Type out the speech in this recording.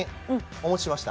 お持ちしました